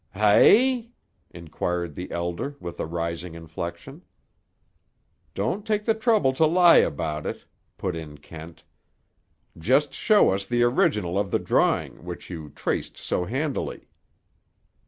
"Hay ee?" inquired the Elder, with a rising inflection. "Don't take the trouble to lie about it," put in Kent. "Just show us the original of the drawing which you traced so handily."